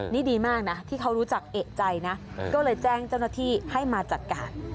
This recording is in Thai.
นี่ดีมากนะที่เขารู้จักเอกใจนะก็เลยแจ้งเจ้าหน้าที่ให้มาจัดการ